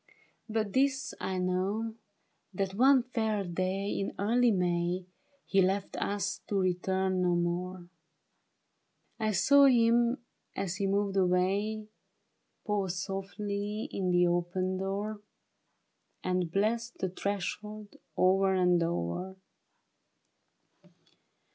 But this I know, that one fair day In early May, He left us to return no more. I saw him as he moved away. Pause softly in the open door. And bless the threshold o'er and o'er.